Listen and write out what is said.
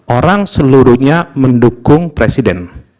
orang seluruhnya mendukung presiden